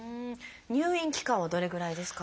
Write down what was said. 入院期間はどれぐらいですか？